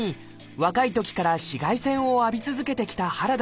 若いときから紫外線を浴び続けてきた原田さん。